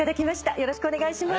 よろしくお願いします。